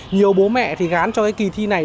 nhiều bố mẹ gán cho kỳ thi này